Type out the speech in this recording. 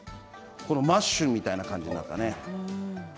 マッシュみたいな感じになったね。